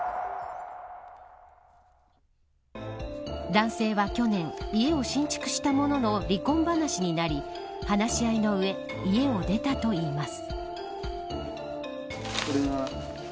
男性は、去年家を新築したものの離婚話になり話し合いの上家を出たといいます。